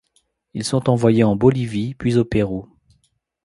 Ils sont envoyés en Bolivie, puis au Pérou.